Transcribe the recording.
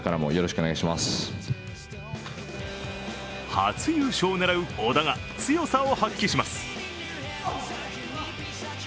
初優勝を狙う小田が強さを発揮します。